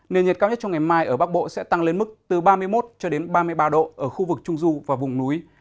nền nhiệt cao nhất trong ngày mai ở bắc bộ sẽ tăng lên mức từ ba mươi một cho đến ba mươi ba độ ở khu vực trung du và vùng núi